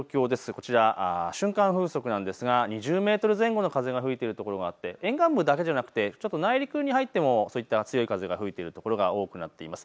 こちら、瞬間風速なんですが２０メートル前後の風が吹いているところがあって沿岸部だけじゃなくてちょっと内陸に入ってもそういった強い風が吹いている所が多くなっています。